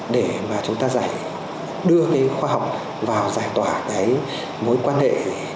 để mà chúng ta đưa khoa học vào giải tỏa mối quan hệ